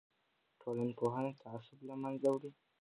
ټولنپوهنه تعصب له منځه وړي.